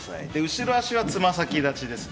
後ろ足はつま先立ちです。